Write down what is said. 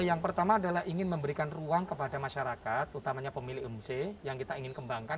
yang pertama adalah ingin memberikan ruang kepada masyarakat utamanya pemilik homese yang kita ingin kembangkan